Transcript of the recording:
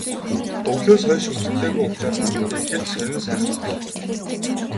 Өвлөөс хойш үзэгдээгүй учир надад их л сонин сайхан санагдав.